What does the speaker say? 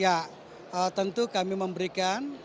ya tentu kami memberikan